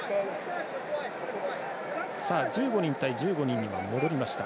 １５人対１５人に戻りました。